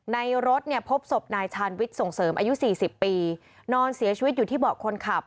ในรถพบสบนายชาญวิชวิส่งเสริมอายุ๔๐ปีนอนเสียชีวภภ์อยู่ที่เบาะคนขับ